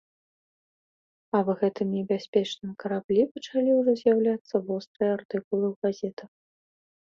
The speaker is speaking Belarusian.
Аб гэтым небяспечным караблі пачалі ўжо з'яўляцца вострыя артыкулы ў газетах.